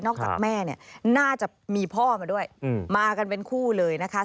จากแม่เนี่ยน่าจะมีพ่อมาด้วยมากันเป็นคู่เลยนะคะ